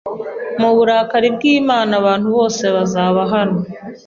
Mu burakari bw'Imana abantu bose bazaba hano